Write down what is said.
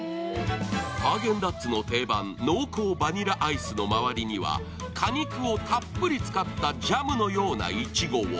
ハーゲンダッツの定番、濃厚バニラアイスの周りには果肉をたっぷり使ったジャムのようないちごを。